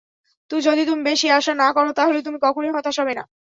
যদি তুমি বেশি আশা না করো, তাহলে তুমি কখনোই হতাশ হবে না।